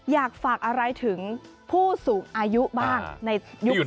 อยากฝากอะไรถึงผู้สูงอายุบ้างในยุคนี้